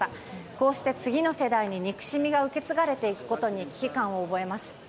こうして次の世代に憎しみが受け継がれていくことに危機感を覚えます。